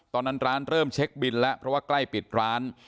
ตอนนั้นร้านเริ่มเช็คบินแล้วเพราะว่าใกล้ปิดร้าน